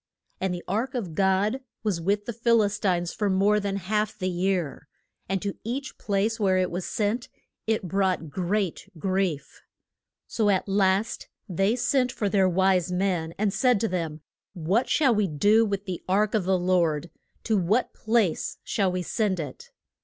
And the ark of God was with the Phil is tines for more than half the year, and to each place where it was sent it brought great grief. So at last they sent for their wise men, and said to them, What shall we do with the ark of the Lord? To what place shall we send it?